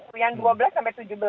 yang dua belas sampai tujuh belas